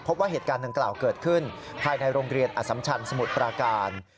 พบว่าเหตุการณ์ดังกล่าวเกิดขึ้นภายในโรงเรียนอสัมชันสมุทรปราการ